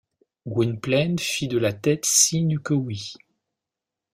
Gwynplaine fit de la tête signe que oui.